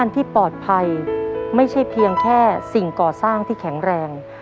ที่ปลอดภัยไม่ใช่เพียงแค่สิ่งก่อสร้างที่แข็งแรง